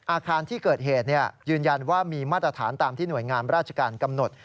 อาคารที่เกิดเหตุยืนยันว่ามีมาตรฐานตามที่หน่วยงานราชการกำหนด